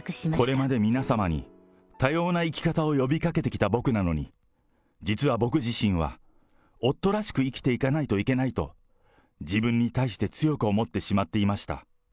これまで皆様に多様な生き方を呼びかけてきた僕なのに、実は僕自身は、夫らしく生きていかないといけないと、自分に対して強く思ってしまっていました。